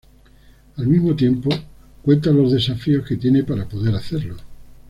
Al mismo tiempo cuenta los desafíos que tiene para poder hacerlo.